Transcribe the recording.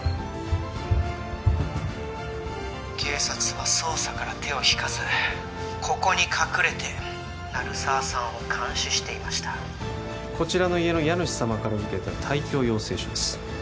警察は捜査から手を引かずここに隠れて鳴沢さんを監視していましたこちらの家の家主様からうけた退去要請書です